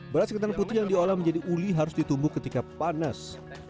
beras ketan putih yang diolah menjadi uli harus ditumbuk ketika panas